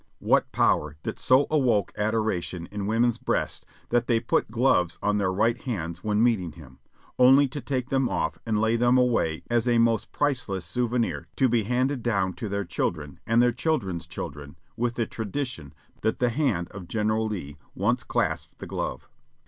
What power that so awoke adoration in women's breasts that they put gloves on their right hands when meeting him. only to take them off and lay them away as a most priceless souvenir to be handed down to their children and their children's children with the tradition that the hand of General Lee once clasped the glove?